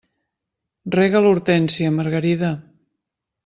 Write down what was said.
Rega l'hortènsia, Margarida.